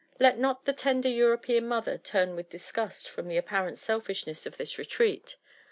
Let not the tender European mother turn with disgust from the ap parent selfishness of this retreat.